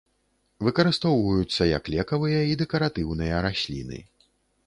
Выкарыстоўваюцца як лекавыя і дэкаратыўныя расліны.